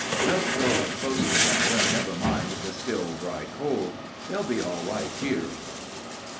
They'll curl up close together and never mind the still, dry cold. They'll be all right here."